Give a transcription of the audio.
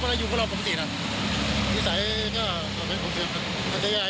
แต่ตามมือข่าวจะว่าเรื่องเด็กตั้งแต่เด็กอันนั้น